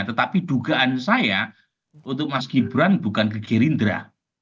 tetapi dugaan saya untuk mas gibran bukan ke gerindra